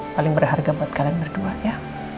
paling berharga buat kalian berdua ya